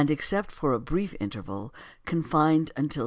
except for a brief interval, confined until 16?